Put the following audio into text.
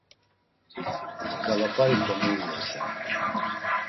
İǩalap̌ariǩo mu iyasen?